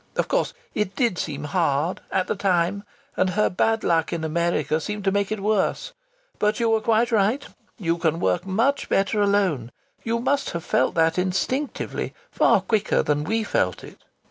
Of course it did seem hard at the time, and her bad luck in America seemed to make it worse. But you were quite right. You can work much better alone. You must have felt that instinctively far quicker than we felt it."